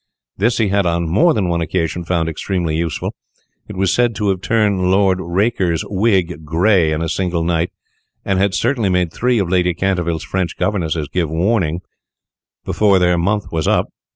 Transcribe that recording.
This he had on more than one occasion found extremely useful. It was said to have turned Lord Raker's wig grey in a single night, and had certainly made three of Lady Canterville's French governesses give warning before their month was up.